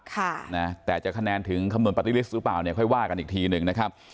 ค่ะนะแต่จะคะแนนถึงคำนวณปาร์ตี้ลิสต์หรือเปล่าเนี่ยค่อยว่ากันอีกทีหนึ่งนะครับ